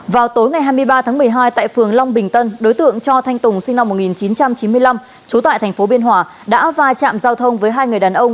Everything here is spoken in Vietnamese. vào tối ngày hai mươi ba một mươi hai tại phường long bình tân đối tượng cho thanh tùng sinh năm một nghìn chín trăm chín mươi năm chú tại tp biên hòa đã vai chạm giao thông với hai người đàn ông